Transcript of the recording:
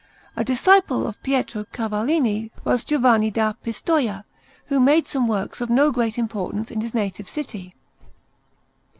A disciple of Pietro Cavallini was Giovanni da Pistoia, who made some works of no great importance in his native city.